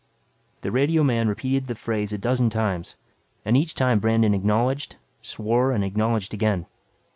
The radioman repeated the phrase a dozen times and each time Brandon acknowledged, swore and acknowledged again.